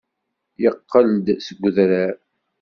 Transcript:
Yeqqel-d seg udrar.